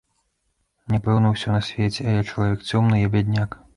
Няпэўна ўсё на свеце, а я чалавек цёмны, я бядняк.